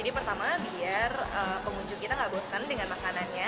jadi pertama biar pengunjung kita gak bosan dengan makanannya